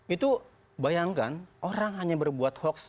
itu bayangkan orang hanya berbuat hoax